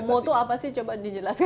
nah fomo itu apa sih coba dijelaskan